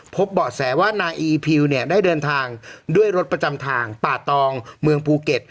เบาะแสว่านายอีพิวเนี่ยได้เดินทางด้วยรถประจำทางป่าตองเมืองภูเก็ต